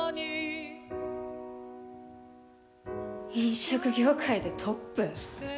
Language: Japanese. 飲食業界でトップ？